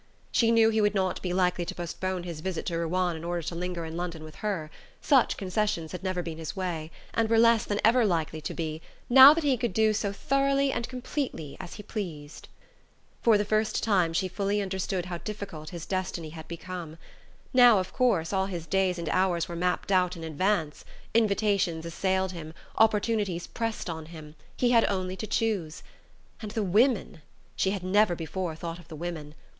She knew he would not be likely to postpone his visit to Ruan in order to linger in London with her: such concessions had never been his way, and were less than ever likely to be, now that he could do so thoroughly and completely as he pleased. For the first time she fully understood how different his destiny had become. Now of course all his days and hours were mapped out in advance: invitations assailed him, opportunities pressed on him, he had only to choose.... And the women! She had never before thought of the women.